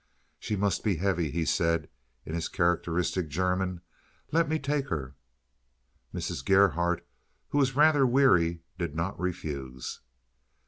"She must be heavy," he said, in his characteristic German. "Let me take her." Mrs. Gerhardt, who was rather weary, did not refuse.